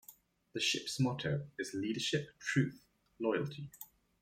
"The ships motto is "Leadership Truth Loyalty".